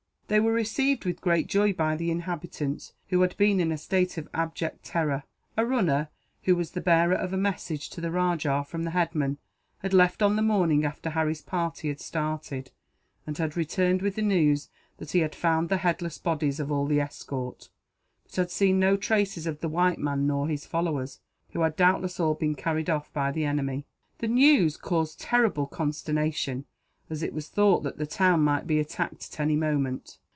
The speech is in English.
They were received with great joy by the inhabitants, who had been in a state of abject terror. A runner, who was the bearer of a message to the rajah from the headman, had left on the morning after Harry's party had started; and had returned with the news that he had found the headless bodies of all the escort, but had seen no traces of the white man nor his followers, who had doubtless all been carried off by the enemy. The news caused terrible consternation, as it was thought that the town might be attacked, at any moment.